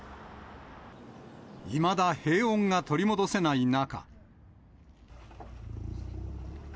いまだ平穏が取り戻せない中。